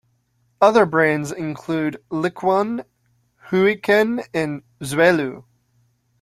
Other brands include Liquan, Huiquan and Xuelu.